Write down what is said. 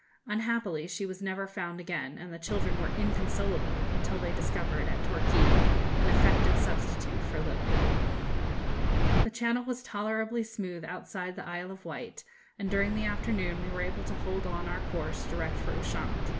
Unhappily she was never found again, and the children were inconsolable until they discovered, at Torquay, an effective substitute for 'Lily.' The Channel was tolerably smooth outside the Isle of Wight, and during the afternoon we were able to hold on our course direct for Ushant.